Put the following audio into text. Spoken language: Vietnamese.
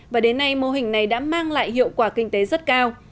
và đến nay mô hình này đã mang lại hiệu quả kinh tế rất cao